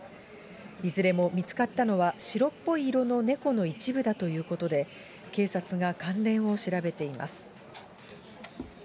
いずれも見つかったのは、白っぽい色の猫の一部だということで、警察が関連を調べています。